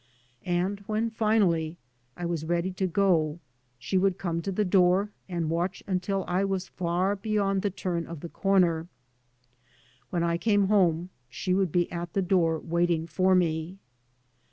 And when finally I was ready to go, she would come to the door, and watch until I was far beyond the turn of the corner. When I came home she would be at the door waiting for me.